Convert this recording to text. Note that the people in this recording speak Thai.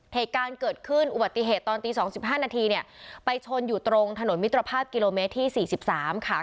เหตุการณ์เกิดขึ้นอุบัติเหตุตอนตี๒๕นาทีเนี่ยไปชนอยู่ตรงถนนมิตรภาพกิโลเมตรที่๔๓ค่ะ